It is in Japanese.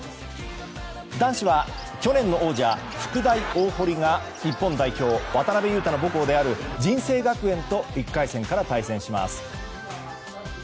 男子は去年の王者・福大大濠が日本代表、渡邊雄太の母校である尽誠学園と１回戦から対戦します。